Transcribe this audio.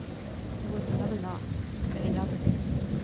There was another knock, and another.